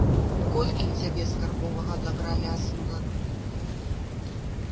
Колькі ў цябе скарбовага дабра ляснула?